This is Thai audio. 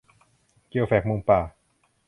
เกี่ยวแฝกมุงป่า